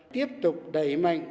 tiếp tục đẩy mạnh